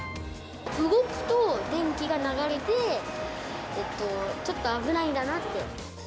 動くと電気が流れてちょっと危ないんだなって。